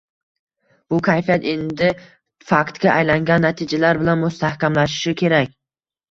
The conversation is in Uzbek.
Bu kayfiyat endi faktga aylangan natijalar bilan mustahkamlanishi kerak.